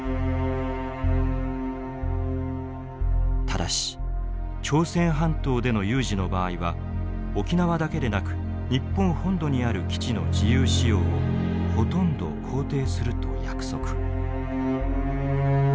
ただし朝鮮半島での有事の場合は沖縄だけでなく日本本土にある基地の自由使用をほとんど肯定すると約束。